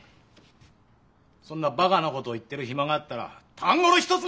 そんなバカなことを言ってる暇があったら単語の一つも覚えろ！